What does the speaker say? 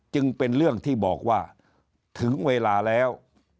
จึงเป็นเรื่องที่บอกว่าถึงเวลาแล้ว